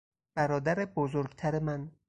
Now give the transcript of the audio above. برادر بزرگتر من